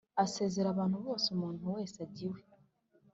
asezerera abantu bose umuntu wese ajya iwe